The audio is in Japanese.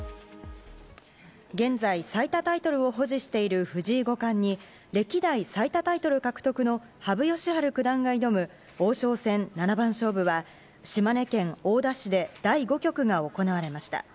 現在、最多タイトルを保持している藤井五冠に、歴代最多タイトル獲得の羽生善治九段が挑む、王将戦七番勝負は、島根県大田市で第５局が行われました。